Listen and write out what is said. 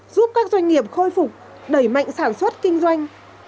giúp các doanh nghiệp khôi phục đẩy mạnh sản xuất kinh doanh